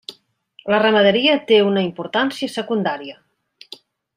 La ramaderia té una importància secundària.